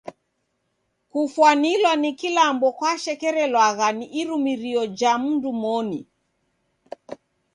Kufwanilwa ni kilambo kwashekerelwagha ni irumirio ja mndu moni.